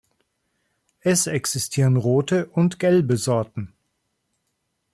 Es existieren rote und gelbe Sorten.